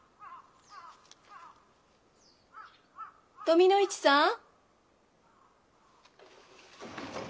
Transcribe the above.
富の市さん？